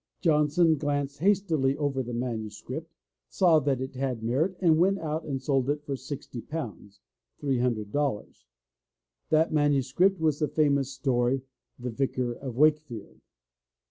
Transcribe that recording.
John son glanced hastily over the manuscript, saw that it had merit, and went out and sold it for sixty pounds ($300). That manu script was the famous story. The Vicar of Wakefield.